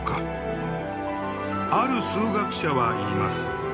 ある数学者は言います。